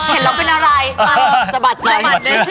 เห็นแล้วเป็นอะไรสะบัดไหม